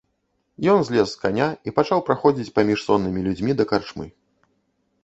Ён злез з каня і пачаў праходзіць паміж соннымі людзьмі да карчмы.